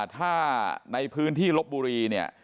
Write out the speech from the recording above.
ถ้าในพื้นที่ลบบุรีเนี่ย